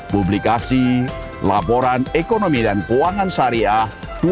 publikasi laporan ekonomi dan keuangan syariah dua ribu dua puluh